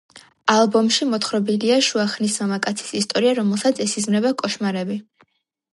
ალბომში მოთხრობილია შუა ხნის მამაკაცის ისტორია, რომელსაც ესიზმრება კოშმარები.